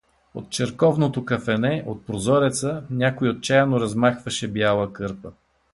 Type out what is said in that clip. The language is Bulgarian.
От Черковното кафене, от прозореца, някой отчаяно размахваше бяла кърпа.